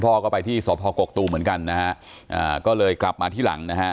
พ่อก็ไปที่สพกกตูมเหมือนกันนะฮะอ่าก็เลยกลับมาที่หลังนะฮะ